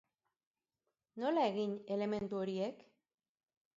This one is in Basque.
Nola egin elementu horiek?